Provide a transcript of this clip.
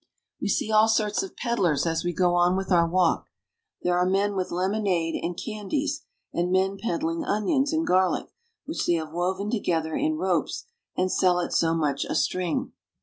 We see all sorts of peddlers as we go on with our walk. There are men with lemonade and candies, and men ped dling onions, and garlic, which they have woven together in ropes and sell at so much a string.